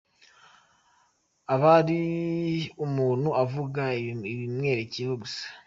Aba ari umuntu uvuga ibimwerekeyeho gusa.